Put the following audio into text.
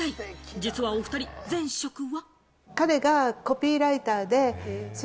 実はお２人、前職は。